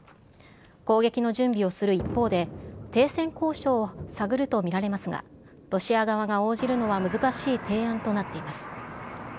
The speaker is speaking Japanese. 攻撃の準備をする一方で、停戦交渉を探ると見られますが、ロシア側が応じるのは難しい提案となっています。